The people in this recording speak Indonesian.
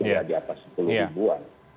di atas sepuluh ribuan